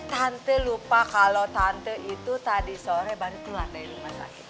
iya iya iya iya tante lupa kalau tante itu tadi sore baru tulang dari rumah sakit